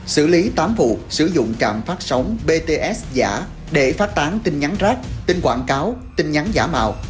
xử lý tám vụ sử dụng trạm phát sóng bts giả để phát tán tin nhắn rác tin quảng cáo tin nhắn giả mạo